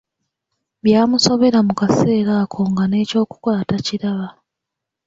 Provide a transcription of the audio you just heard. Byamusobera Mu kaseera ako nga n'ekyokukola takiraba.